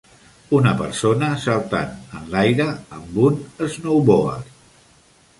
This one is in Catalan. Una persona saltant enlaire amb un snowboard.